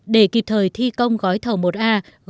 để kịp thời thi công gói thầu một a gói thầu xây lắp cuối cùng